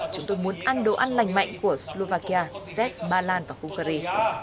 chúng tôi muốn ăn đồ ăn lành mạnh của slovakia zed bà lan và hungary